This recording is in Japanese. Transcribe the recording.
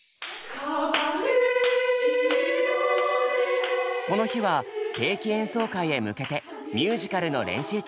この日は定期演奏会へ向けてミュージカルの練習中。